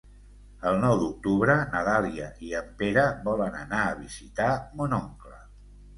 El nou d'octubre na Dàlia i en Pere volen anar a visitar mon oncle.